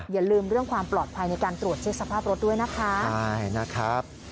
อย่าลืมเรื่องความปลอดภัยในการตรวจเช็คสภาพรถด้วยนะคะใช่นะครับ